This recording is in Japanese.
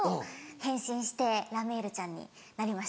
変身してラメールちゃんになりました。